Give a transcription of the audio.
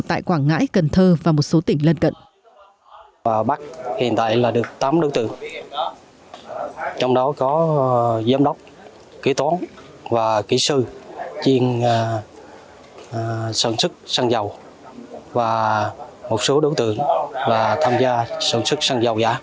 tại quảng ngãi cần thơ và một số tỉnh lân cận